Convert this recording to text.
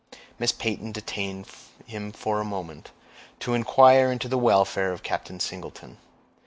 Miss Peyton detained him for a moment, to inquire into the welfare of Captain Singleton.